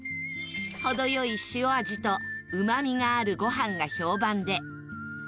程良い塩味とうまみがあるご飯が評判で